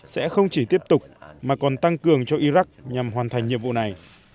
sẽ không chỉ tiếp tục mà còn tăng cường cho iraq nhằm hoàn thành nhiệm vụ này